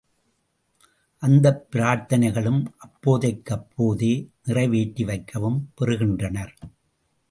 அந்தப் பிரார்த்தனைகளும் அப்போதைக்கு அப்போதே நிறைவேற்றி வைக்கவும் பெறுகின்றனர்.